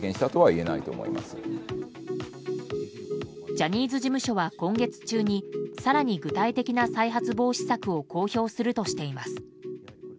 ジャニーズ事務所は、今月中に更に具体的な再発防止策を公表するとしています。